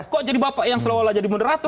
kok jadi bapak yang selalu jadi moderator di sini